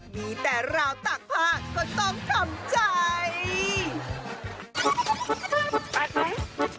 มีแต่ราวตากผ้าก็ต้องทำใจ